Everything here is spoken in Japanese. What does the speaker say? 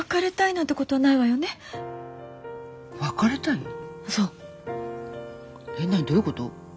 えっ何どういうこと？